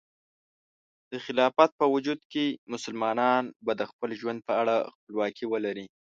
د خلافت په وجود کې، مسلمانان به د خپل ژوند په اړه خپلواکي ولري.